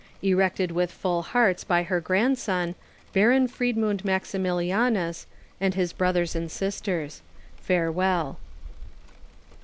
"Erected with full hearts by her grandson, Baron Friedmund Maximilianus, and his brothers and sisters. Farewell."